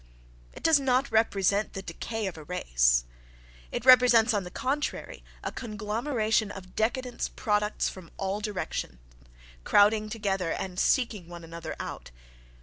It does not represent the decay of a race; it represents, on the contrary, a conglomeration of décadence products from all directions, crowding together and seeking one another out.